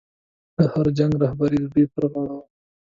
د هر جنګ رهبري د دوی پر غاړه وه.